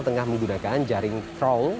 tengah menggunakan jaring troll